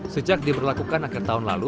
sejak diberlakukan akhir tahun lalu